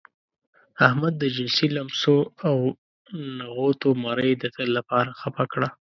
احمد د جنسي لمسو او نغوتو مرۍ د تل لپاره خپه کړه.